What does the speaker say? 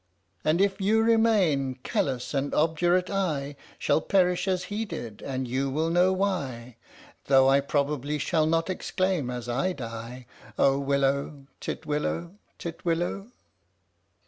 " And if you remain callous and obdurate, I Shall perish as he did and you will know why. Though I probably shall not exclaim as I die " Oh willow, titwillow, titwillow!